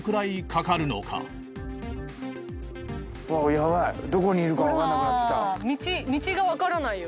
やばいどこにいるか分かんなくなってきた道が分からないよ